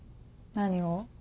何を？